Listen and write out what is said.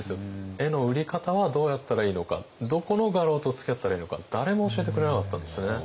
絵の売り方はどうやったらいいのかどこの画廊とつきあったらいいのか誰も教えてくれなかったんですね。